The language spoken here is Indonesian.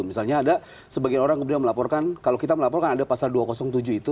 misalnya ada sebagian orang kemudian melaporkan kalau kita melaporkan ada pasal dua ratus tujuh itu